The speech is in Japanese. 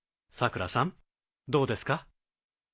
さくらさんどうですか？